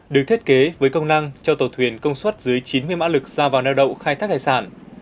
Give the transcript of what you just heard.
được thiết kế với công năng cho tàu thuyền công suất dưới chín mươi mã lực ra vào neo đậu khai thác hải sản